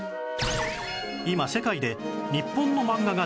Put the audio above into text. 今世界で日本の漫画が大人気！